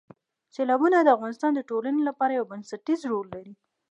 سیلابونه د افغانستان د ټولنې لپاره یو بنسټیز رول لري.